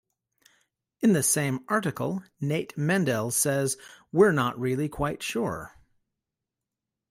In the same article, Nate Mendel says We're not really quite sure.